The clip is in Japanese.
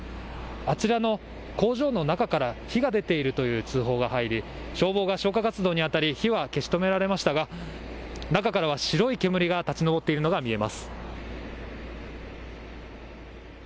あちらの工場の中から火が出ているという通報が入り消防が消火活動にあたり火は消し止められましたが中からは白い煙が立ち上っているのが見えます。